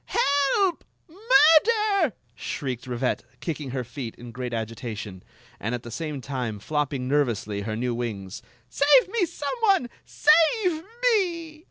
Help! Murder!" shrieked Rivette, kick ing her feet in great agitation, and at the same time flopping nervously her new wings. " Save me, some one! Save me!